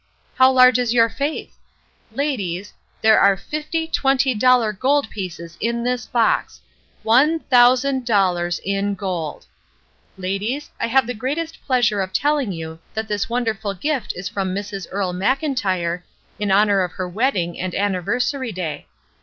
How large is your faith ? Ladies, there are fifty twenty dollar 428 ESTER RIED^S NAMESAKE gold pieces in this box ! One thousand dollars IN GOLD ! Ladies, I have the great pleasure of telling you that this wonderful gift is from Mrs. Earle Mclntyre, in honor of her wedding and anniversary day.